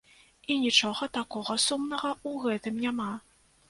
І нічога такога сумнага ў гэтым няма.